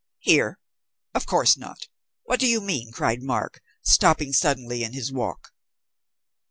"Here, of course not! What do you mean?" cried Mark, stopping suddenly in his walk.